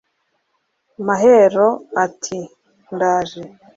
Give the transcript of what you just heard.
Mahero ati: ndaje